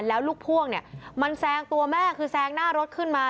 แล้วลูกพ่วงเนี่ยมันแซงตัวแม่คือแซงหน้ารถขึ้นมา